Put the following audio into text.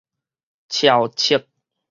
撨測